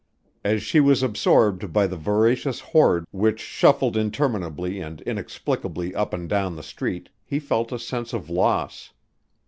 As she was absorbed by the voracious horde which shuffled interminably and inexplicably up and down the street, he felt a sense of loss.